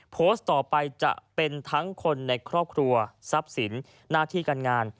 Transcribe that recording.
โพสต์ต่อไปจะเป็นทั้งคนในครอบครัวทรัพย์สินหน้าที่การงาน